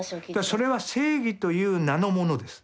それは正義という名のものです。